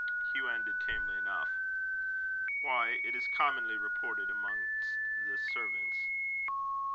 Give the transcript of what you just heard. Hugh ended tamely enough: "Why, it is commonly reported amongst the servants."